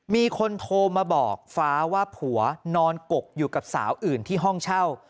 มีคนโทรมาบอกฟ้าว่าผัวนอนกกอยู่กับสาวอื่นที่ห้องเช่า